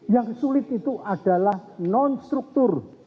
yang sulit itu adalah non struktur